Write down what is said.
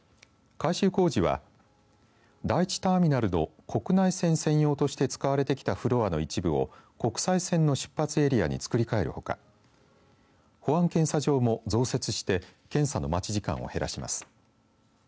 改修工事は第１ターミナルの国内線専用として使われてきたフロアの一部を国際線の出発エリアに造り替えるほか保安検査場も増設して検査の待ち時間を減らします。